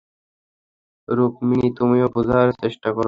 রুকমিনি, তুমিও বুঝার চেষ্টা করো।